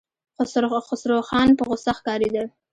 خسروخان په غوسه ښکارېده.